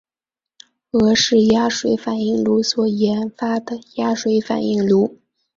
俄式压水反应炉所研发的压水反应炉。